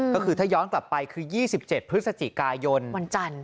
ก็คือถ้าย้อนกลับไปคือ๒๗พฤศจิกายนวันจันทร์